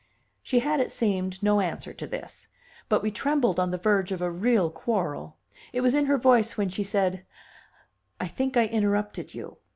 She had, it seemed, no answer to this. But we trembled on the verge of a real quarrel. It was in her voice when she said: "I think I interrupted you."